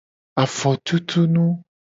Afotutunu.